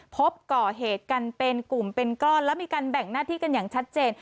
พบก่อเหตุกันเป็นกลุ่มเป็นก้อนแล้วมีการแบ่งหน้าที่กันอย่างชัดเจน